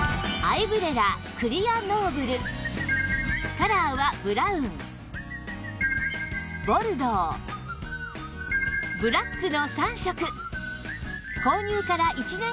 カラーはブラウンボルドーブラックの３色